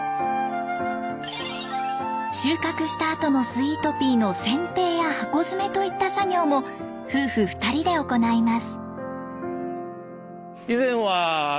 収穫したあとのスイートピーの剪定や箱詰めといった作業も夫婦２人で行います。